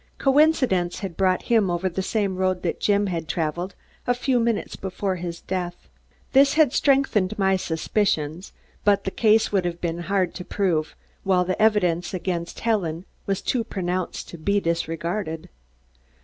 Coincidence had brought him over the same road that Jim had traveled a few minutes before his death. This had strengthened my suspicions, but the case would have been hard to prove, while the evidence against Helen was too pronounced to be disregarded.